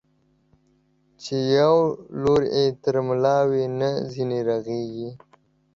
چي يو لور يې تر ملا وي، نه ځيني رغېږي.